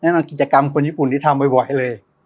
นำกิจกรรมคนญี่ปุ่นที่ทำบ่อยเลย